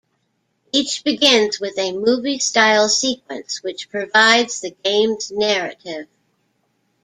Each begins with a movie-style sequence which provides the game's narrative.